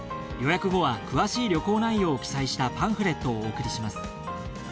予約後は詳しい旅行内容を記載したパンフレットをお送りします。